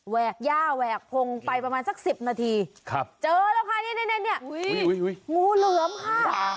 กย่าแหวกพงไปประมาณสัก๑๐นาทีเจอแล้วค่ะนี่งูเหลือมค่ะ